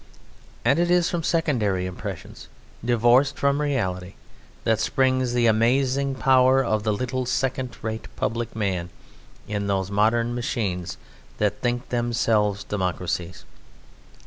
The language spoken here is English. And it is from secondary impressions divorced from reality that springs the amazing power of the little second rate public man in those modern machines that think themselves democracies.